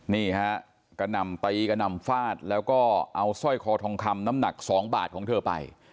นี่ฮะกระหน่ำตีกระหน่ำฟาดแล้วก็เอาสร้อยคอทองคำน้ำหนัก๒บาทของเธอไป